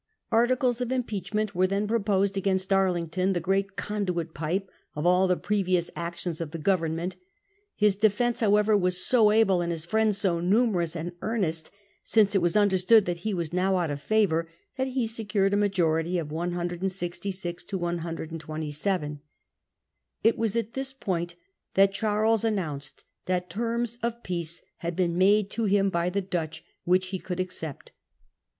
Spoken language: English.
Articles of impeachment were Arlington, then proposed against Arlington, the 'great conduit pipe' of all the previous actions of the govern ment. His defence however was so able, and his friends so numerous and earnest, since it was understood that he was now out of favour, that he secured a majority of 166 to 127. It was at this point that Charles announced that terms of peace had been made to him by the Dutch which he could accept.